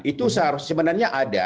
itu seharusnya sebenarnya ada